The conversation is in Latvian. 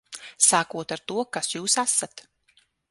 Sākot ar to, kas jūs esat.